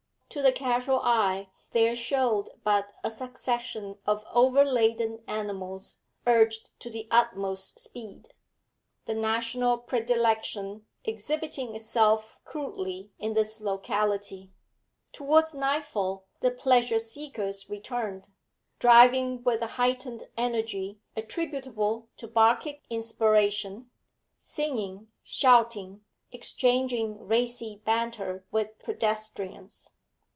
To the casual eye there showed but a succession of over laden animals urged to the utmost speed; the national predilection exhibiting itself crudely in this locality. Towards nightfall the pleasure seekers returned, driving with the heightened energy attributable to Bacchic inspiration, singing, shouting, exchanging racy banter with pedestrians.